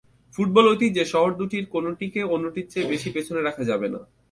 ফুটবল-ঐতিহ্যে শহর দুটির কোনোটিকে অন্যটির চেয়ে বেশি পেছনে রাখা যাবে না।